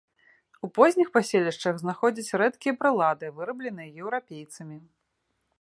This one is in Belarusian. У позніх паселішчах знаходзяць рэдкія прылады, вырабленыя еўрапейцамі.